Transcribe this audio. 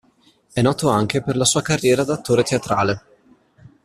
È noto anche per la sua carriera da attore teatrale.